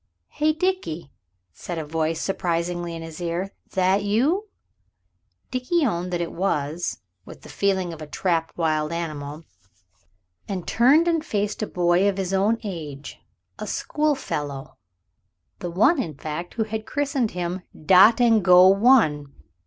"Hi, Dickie!" said a voice surprisingly in his ear; "that you?" Dickie owned that it was, with the feeling of a trapped wild animal, and turned and faced a boy of his own age, a schoolfellow the one, in fact, who had christened him "Dot and go one."